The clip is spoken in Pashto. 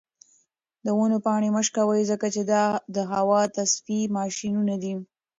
د ونو پاڼې مه شکوئ ځکه چې دا د هوا د تصفیې ماشینونه دي.